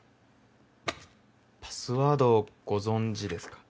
パスワードご存じですか？